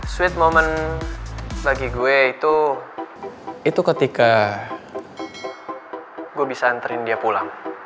sweet moment bagi gue itu itu ketika gue bisa anterin dia pulang